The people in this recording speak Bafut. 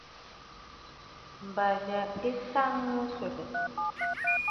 M̀bà ja ɨ tàŋə̀ swegè.